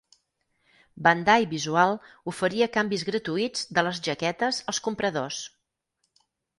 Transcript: Bandai Visual oferia canvis gratuïts de les jaquetes als compradors.